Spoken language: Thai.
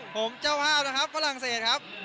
ผมเจ้าภาพนะครับฝรั่งเศสครับ